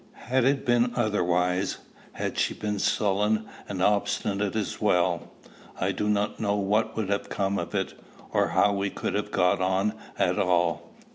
Had it been otherwise, had she been sullen and obstinate as well, I do not know what would have come of it, or how we could have got on at all.